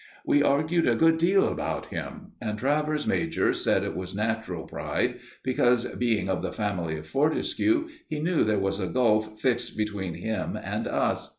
We argued a good deal about him, and Travers major said it was natural pride, because, being of the family of Fortescue, he knew there was a gulf fixed between him and us.